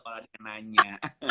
kalau ada yang nanya